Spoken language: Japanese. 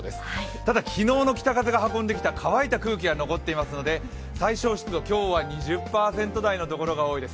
ただ、昨日の北風が運んできた乾いた空気が残っていますので、最小湿度、今日は２０％台のところが多いです。